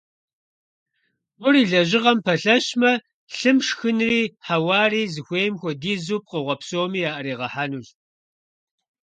Гур и лэжьыгъэм пэлъэщмэ, лъым шхынри хьэуари зыхуейм хуэдизу пкъыгъуэ псоми яӀэригъэхьэнущ.